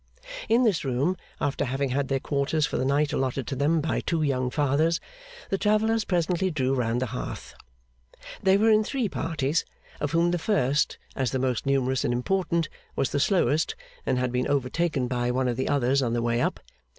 In this room, after having had their quarters for the night allotted to them by two young Fathers, the travellers presently drew round the hearth. They were in three parties; of whom the first, as the most numerous and important, was the slowest, and had been overtaken by one of the others on the way up.